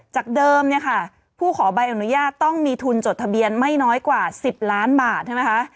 จากเดิมเนี่ยค่ะผู้ขอใบอนุญาตต้องมีทุนจดทะเบียนไม่น้อยกว่า๑๐ล้านบาทใช่ไหมคะ